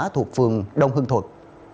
thuộc phường đông hưng thuật